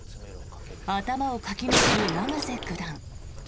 頭をかきむしる永瀬九段。